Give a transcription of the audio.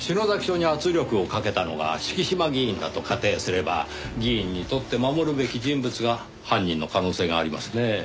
署に圧力をかけたのが敷島議員だと仮定すれば議員にとって守るべき人物が犯人の可能性がありますねぇ。